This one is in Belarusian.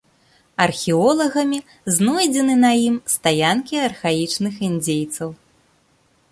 Археолагамі знойдзены на ім стаянкі архаічных індзейцаў.